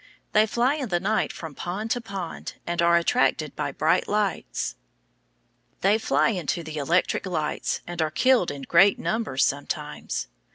They fly in the night from pond to pond, and are attracted by bright lights. They fly into the electric lights, and are killed in great numbers sometimes.